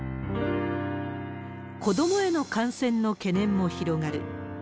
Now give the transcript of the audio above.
子どもへの感染の懸念も広がる。